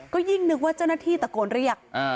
ก็ยิ่งนึกว่าเจ้าหน้าที่ตะโกนเรียก